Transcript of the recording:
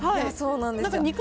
そうなんですよ。